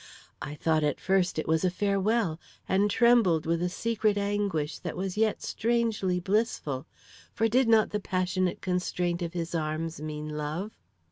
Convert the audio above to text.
I thought at first it was a farewell, and trembled with a secret anguish that was yet strangely blissful, for did not the passionate constraint of his arms mean love?